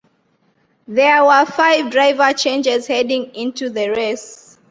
There were five driver changes heading into the race.